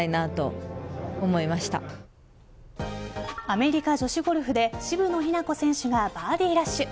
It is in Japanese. アメリカ女子ゴルフで渋野日向子選手がバーディーラッシュ。